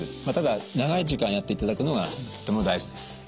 まあただ長い時間やっていただくのがとても大事です。